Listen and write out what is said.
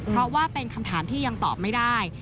เพราะว่าเป็นคำถามที่ยังตอบไม่ได้